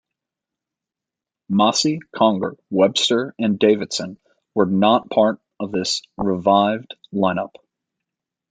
Masi, Conger, Webster and Davidson were not part of this revived line-up.